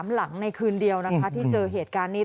หลังในคืนเดียวนะคะที่เจอเหตุการณ์นี้